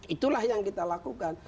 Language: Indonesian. itulah yang kita lakukan